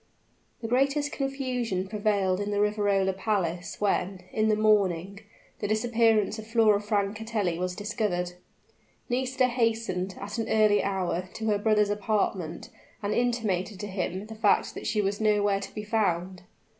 The greatest confusion prevailed in the Riverola Palace, when, in the morning, the disappearance of Flora Francatelli was discovered. Nisida hastened, at an early hour, to her brother's apartment, and intimated to him the fact that she was nowhere to be found.